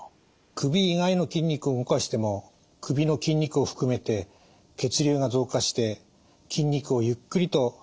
首以外の筋肉を動かしても首の筋肉を含めて血流が増加して筋肉をゆっくりと解きほぐすことができます。